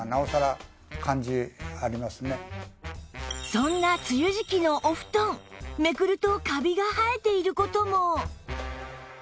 そんな梅雨時季のお布団めくるとカビが生えている事も